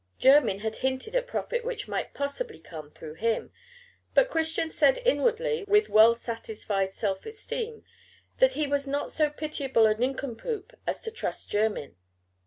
Jermyn had hinted at profit which might possibly come through him; but Christian said inwardly, with well satisfied self esteem, that he was not so pitiable a nincompoop as to trust Jermyn.